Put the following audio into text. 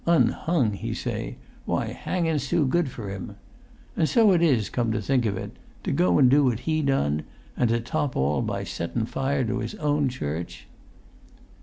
'Unhung?' he say. 'Why, hangun's too good for him.' An' so it is, come to think of it: to go and do what he done, an' to top all by settun fire to his own church!"